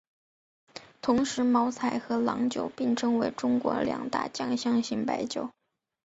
同时茅台和郎酒并称为中国两大酱香型白酒。